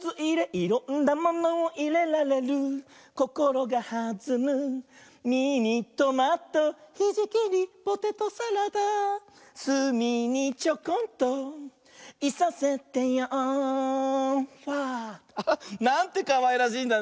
「いろんなものをいれられる」「こころがはずむミニトマト」「ひじきにポテトサラダ」「すみにちょこんといさせてよファー」なんてかわいらしいんだね。